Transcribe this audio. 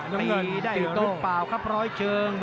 ตีได้ตรงเปล่าครับร้อยเชิง